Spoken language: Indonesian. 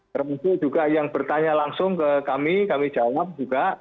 termasuk juga yang bertanya langsung ke kami kami jawab juga